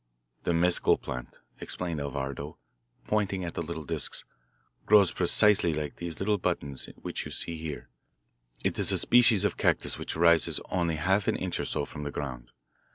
"The mescal plant," explained Alvardo, pointing at the little discs, "grows precisely like these little buttons which you see here. It is a species of cactus which rises only half an inch or so from the ground.